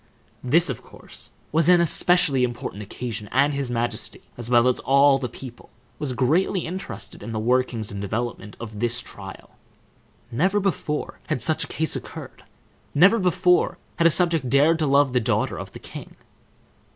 This, of course, was an especially important occasion, and his majesty, as well as all the people, was greatly interested in the workings and development of this trial. Never before had such a case occurred; never before had a subject dared to love the daughter of the king.